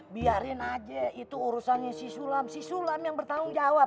biarin aja itu urusannya sisulam sisulam yang bertanggung jawab